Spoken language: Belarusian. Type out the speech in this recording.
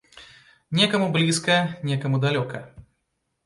Некаму блізка, некаму далёка.